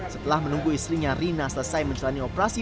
setelah menunggu istrinya rina selesai menjalani operasi